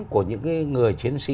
của những người chiến sĩ